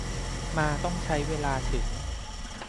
มาต้องใช้เวลาถึง